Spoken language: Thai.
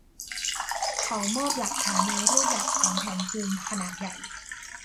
เขามอบหลักฐานในรูปแบบของแผนภูมิขนาดใหญ่